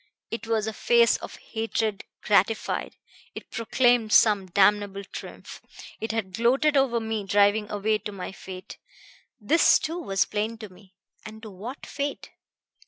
It was a face of hatred gratified, it proclaimed some damnable triumph. It had gloated over me driving away to my fate. This too was plain to me. And to what fate?